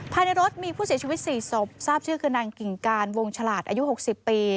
ภายในรถมีผู้เสียชีวิต๔ศพทราบชื่อคือนางกิ่งการวงฉลาดอายุ๖๐ปี